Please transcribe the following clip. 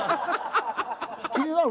気になる